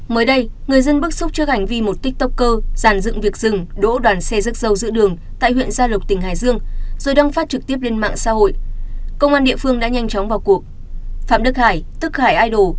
mới đây người dân bức xúc trước hành vi một tiktoker giàn dựng việc dừng đỗ đoàn xe rức râu giữ đường tại huyện gia lục tỉnh hải dương rồi đăng phát trực tiếp lên mạng xã hội